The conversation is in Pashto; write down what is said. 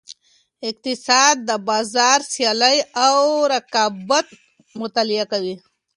اقتصاد د بازار سیالۍ او رقیبت مطالعه کوي.